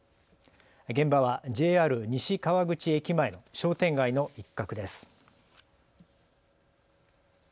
現場はＪＲ西川口駅前の商店街の一角です。